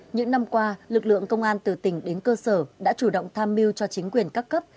những năm qua lực lượng công an từ tỉnh đến cơ sở đã chủ động tham mưu cho chính quyền các cấp